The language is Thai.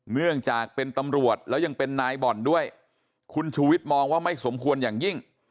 เนื่องจากเป็นตำรวจแล้วยังเป็นนายบ่อนด้วยคุณชูวิทย์มองว่าไม่สมควรอย่างยิ่ง